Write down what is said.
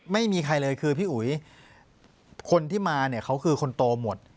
ไม่มีใครเลยคือพี่อุ๋ยคนที่มาเนี่ยเขาคือคนโตหมด